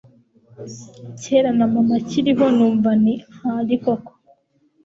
kera na mama akiriho numva ni Henry koko